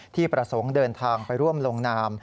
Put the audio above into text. ที่ประสงค์เดินทางไปร่วมลงนาม